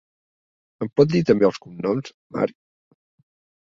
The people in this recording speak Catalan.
Em pot dir també els cognoms, Marc?